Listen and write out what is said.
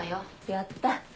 やった。